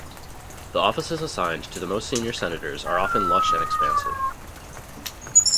The offices assigned to the most senior senators are often lush and expansive.